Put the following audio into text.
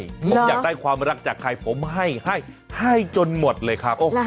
ผมอยากได้ความรักจากใครผมให้ให้จนหมดเลยครับ